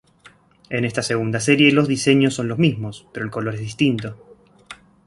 En esta segunda serie los diseños son los mismos, pero el color es distinto.